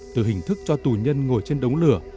từ hình thức cho tù nhân ngồi trên đống lửa